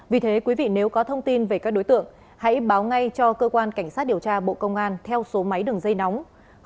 vì thế quý vị nếu có thông tin về các đối tượng hãy báo ngay cho cơ quan cảnh sát điều tra bộ công an theo số máy đường dây nóng sáu mươi chín hai trăm ba mươi bốn năm nghìn tám trăm sáu mươi